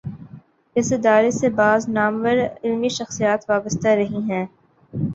اس ادارے سے بعض نامور علمی شخصیات وابستہ رہی ہیں۔